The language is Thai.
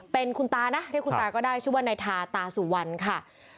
เป็นคุณตานะเรียกคุณตาก็ได้ชื่อว่านายทาตาสุวรรณค่ะ